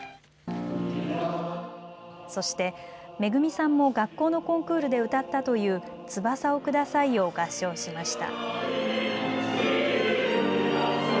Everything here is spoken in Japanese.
そして、めぐみさんも学校のコンクールで歌ったという翼をくださいを合唱しました。